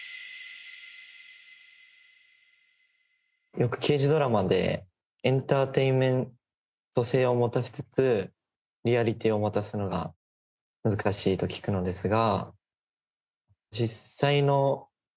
「よく刑事ドラマでエンターテインメント性を持たせつつリアリティーを持たすのが難しいと聞くのですが」